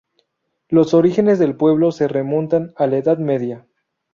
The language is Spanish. Los orígenes del pueblo se remontan a la Edad Media.